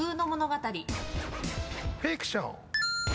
フィクション。